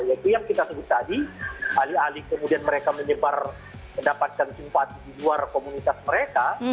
yaitu yang kita sebut tadi ahli ahli kemudian mereka menyebar mendapatkan simpati di luar komunitas mereka